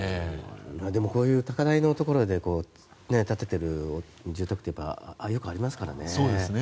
こういう高台のところで建てている住宅はよくありますからね。